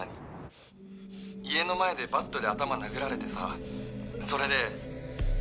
「家の前でバットで頭殴られてさそれで」